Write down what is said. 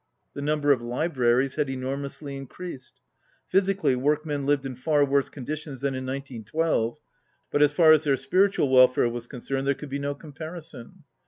The number of libraries had enormously increased. Physically workmen lived in far worse conditions than in 1912, but as far as their spirit ual welfare was concerned there could be no com parison.